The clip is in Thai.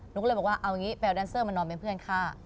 หนูก็เลยบอกว่าเอางี้ไปเอาแดนเซอร์มานอนเป็นเพื่อนค่ะ